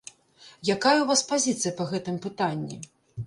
Якая ў вас пазіцыя па гэтым пытанні?